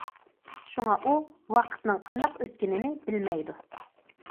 شۇڭا ئۇ ۋاقىتنىڭ قانداق ئۆتكىنىنى بىلمەيدۇ.